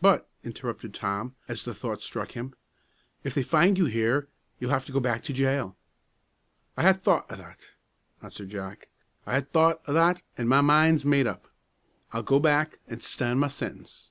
"But," interrupted Tom, as the thought struck him, "if they find you here, you'll have to go back to the jail." "I ha' thocht o' that," answered Jack. "I ha' thocht o' that, an' my min's made up. I'll go back, an' stan' ma sentence.